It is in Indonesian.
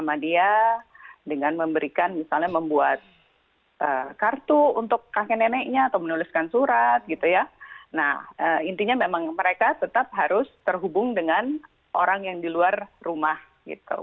nah dengan memberikan misalnya membuat kartu untuk kakek neneknya atau menuliskan surat gitu ya nah intinya memang mereka tetap harus terhubung dengan orang yang di luar rumah gitu